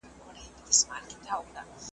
د چا لاره چي پر لور د جهالت سي ,